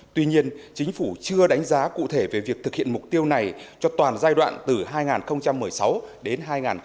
tuy nhiên chính phủ chưa đánh giá cụ thể về việc thực hiện mục tiêu này cho toàn giai đoạn từ hai nghìn một mươi sáu đến hai nghìn hai mươi